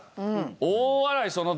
大笑いその時。